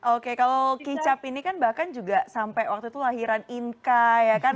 oke kalau kicap ini kan bahkan juga sampai waktu itu lahiran inka ya kan